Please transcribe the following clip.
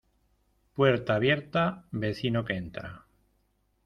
Puerta abierta, vecino que entra.